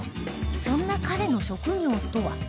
そんな彼の職業とは